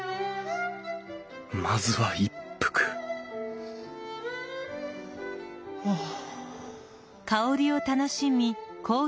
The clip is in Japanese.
まずは一服はあ。